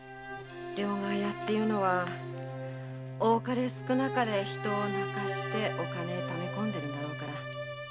両替屋っていうのは多かれ少なかれ人を泣かせてお金を溜めこんでいるんだろうから。